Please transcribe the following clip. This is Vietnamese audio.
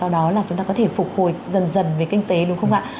đó là chúng ta có thể phục hồi dần dần về kinh tế đúng không ạ